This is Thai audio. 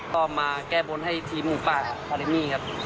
ก็มาแก้บนให้ทีมหมูป่าคาเดมี่ครับ